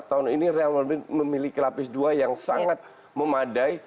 tahun ini real madrid memiliki lapis dua yang sangat memadai